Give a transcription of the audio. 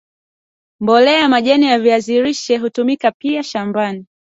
mbolea ya majani ya viazi lishe hutumika pia shambani